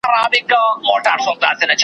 په همدې خاوري دښتوکي .